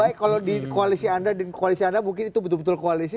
baik kalau di koalisi anda mungkin itu betul betul koalisi